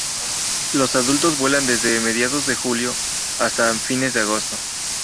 Los adultos vuelan desde mediados de julio hasta fines de agosto.